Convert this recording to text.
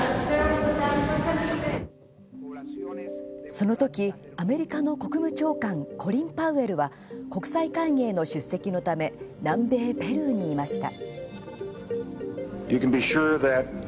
その時、アメリカの国務長官コリン・パウエルは国際会議への出席のため南米ペルーにいました。